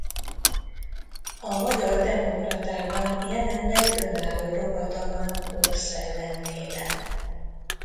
A Magyar Demokratában jelenleg önálló rovata van Korszellem néven.